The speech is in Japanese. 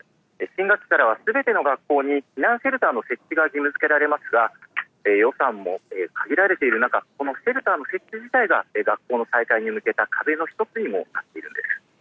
新学期からはすべての学校に避難シェルターの設置が義務づけられますが、予算も限られている中、このシェルターの設置自体が、学校の再開に向けた壁の一つにもなっているんです。